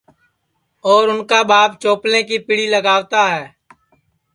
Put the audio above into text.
اور اُن کا ٻاپ چوپلی کی پیڑی لگاوتا ہے